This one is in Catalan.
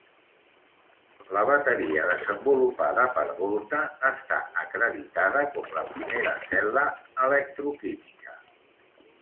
La bateria desenvolupada per Volta està acreditada com la primera cel·la electroquímica.